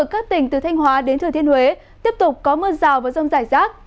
các tỉnh từ thanh hóa đến thừa thiên huế tiếp tục có mưa rào và rông rải rác